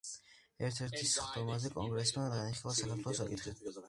ერთ-ერთ სხდომაზე კონგრესმა განიხილა საქართველოს საკითხი.